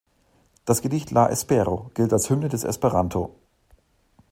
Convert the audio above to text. Das Gedicht "La Espero" gilt als Hymne des Esperanto.